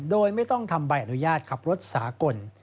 โดยไม่ต้องทำใบอนุญาตขับรถสากล